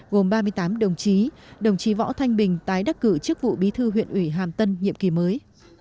gồm ba mươi tám đồng chí đồng chí võ thanh bình tái đắc cử chức vụ bí thư huyện ủy hàm tân nhiệm kỳ mới